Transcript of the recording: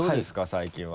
最近は。